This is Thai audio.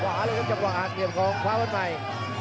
ตำรวจทางขวางอาร์เทียบของภาพแม่